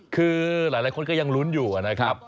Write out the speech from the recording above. คือหลายคนก็ยังลุ้นอยู่นะครับ